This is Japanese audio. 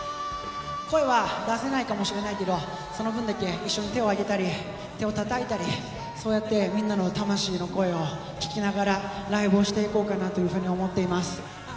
声は出せないかもしれないけど、その分だけ一緒に手を挙げたり、手をたたいたり、そうやってみんなの魂の声を聞きながら、ライブをしていこうかなというふうに思っています。